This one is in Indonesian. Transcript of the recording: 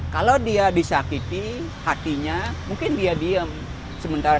kalau dia disakiti hatinya mungkin dia diem sementara